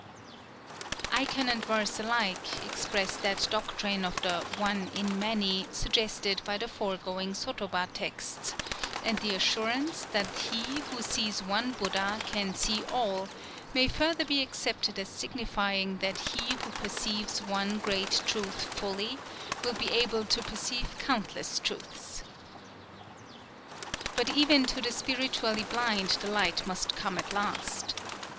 _" Icon and verse alike express that doctrine of the One in Many suggested by the foregoing sotoba texts; and the assurance that he who sees one Buddha can see all, may further be accepted as signifying that he who perceives one great truth fully, will be able to perceive countless truths. But even to the spiritually blind the light must come at last.